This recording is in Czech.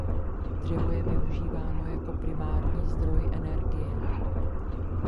Dřevo je využíváno jako primární zdroj energie.